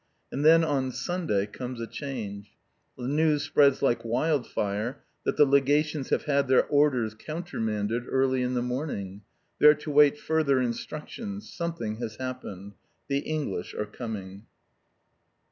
And then, on Sunday, comes a change. The news spreads like wild fire that the Legations have had their orders countermanded early in the morning. They are to wait further instructions. Something has happened. _THE ENGLISH ARE COMING!